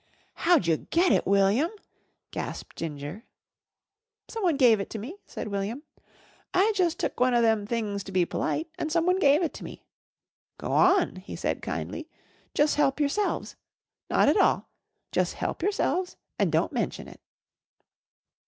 "Howd' you get it, William?" gasped Ginger. "Someone gave it me," said William. "I took one of them things to be p'lite an' someone gave it me. Go on," he said kindly. "Jus' help yourselves. Not at all. Jus' help yourselves an' don't menshun it."